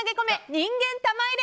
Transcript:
人間玉入れ。